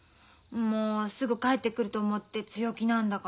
もうすぐ帰ってくると思って強気なんだから。